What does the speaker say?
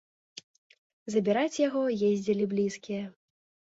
Забіраць яго ездзілі блізкія.